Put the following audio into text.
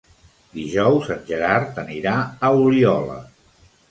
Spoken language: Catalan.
Dijous en Gerard anirà a Oliola.